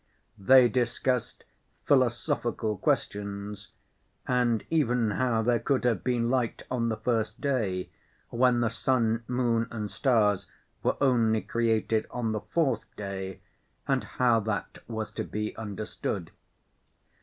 They discussed philosophical questions and even how there could have been light on the first day when the sun, moon, and stars were only created on the fourth day, and how that was to be understood.